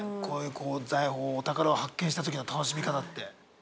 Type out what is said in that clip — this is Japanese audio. こういう財宝お宝を発見した時の楽しみ方って。